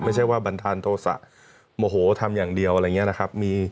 ไม่ใช่ว่าบันทานโทษะโมโหทำอย่างเดียวอะไรอย่างนี้นะครับ